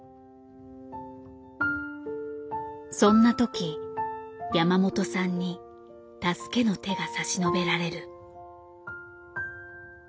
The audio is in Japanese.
そんな時山本さんに助けの手が差し伸べられる。